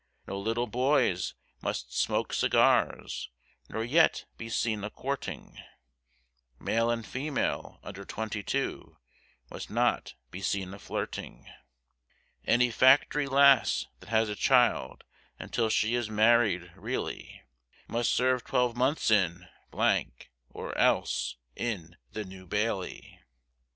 No little boys must smoke cigars, nor yet be seen a courting, Male and female under twenty two, must not be seen a flirting, Any factory lass that has a child until she is married really, Must serve twelve months in or else in the New Bailey.